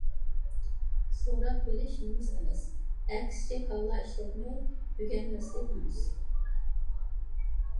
سوراپ بىلىش نومۇس ئەمەس، ئەكسىچە كاللا ئىشلەتمەي، ئۆگەنمەسلىك نومۇس.